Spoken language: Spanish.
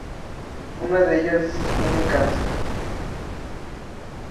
Una de ellas tiene cancel.